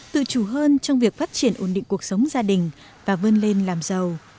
tự chủ hơn trong việc phát triển ổn định cuộc sống gia đình và vươn lên làm giàu